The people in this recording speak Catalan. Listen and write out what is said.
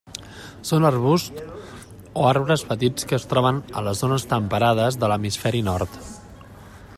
Són arbusts o arbres petits que es troben a les zones temperades de l'hemisferi nord.